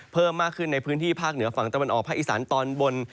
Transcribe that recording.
เพิ่มมากขึ้นในพื้นที่ภาคเหนือฝั่งตะวันออกภาคอีสานตอนบน